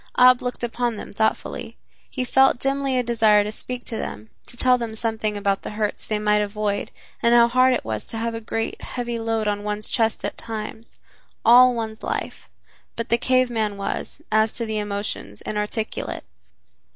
Ab looked upon them thoughtfully. He felt dimly a desire to speak to them, to tell them something about the hurts they might avoid, and how hard it was to have a great, heavy load on one's chest at times all one's life but the cave man was, as to the emotions, inarticulate.